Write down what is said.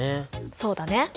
そうだね。